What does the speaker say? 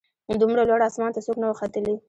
دومره لوړ اسمان ته څوک نه وه ختلي